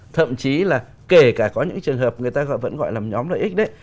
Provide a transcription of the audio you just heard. thậm chí là kể cả có những trường hợp người ta vẫn gọi là một nhóm lợi ích đấy